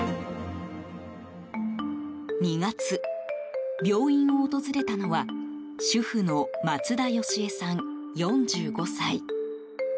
２月、病院を訪れたのは主婦の松田芳江さん、４５歳。